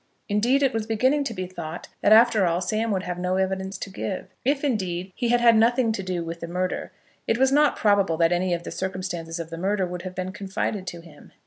Indeed, it was beginning to be thought that after all Sam would have no evidence to give. If, indeed, he had had nothing to do with the murder, it was not probable that any of the circumstances of the murder would have been confided to him.